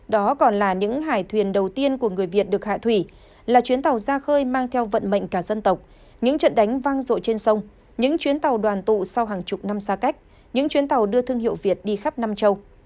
đó còn là những hải thuyền đầu tiên của người việt được hạ thủy là chuyến tàu ra khơi mang theo vận mệnh cả dân tộc những trận đánh vang rội trên sông những chuyến tàu đoàn tụ sau hàng chục năm xa cách những chuyến tàu đưa thương hiệu việt đi khắp nam châu